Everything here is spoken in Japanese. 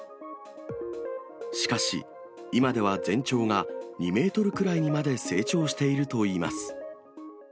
しかし、今では全長が２メートルくらいにまで成長しているといいます。